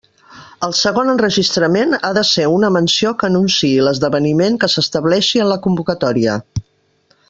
El segon enregistrament ha de ser una menció que anunciï l'esdeveniment que s'estableixi en la convocatòria.